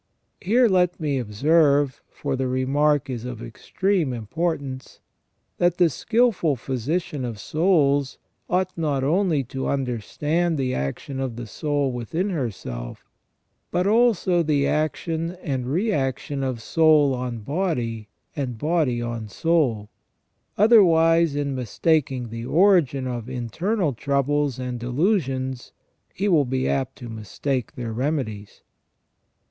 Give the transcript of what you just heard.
Here let me observe, for the remark is of extreme importance, that the skilful physician of souls ought not only to understand the action of the soul within herself, but also the action and reaction of soul on body and body on soul, otherwise in mistaking the origin of internal troubles and delusions he will be apt to mistake their remedies.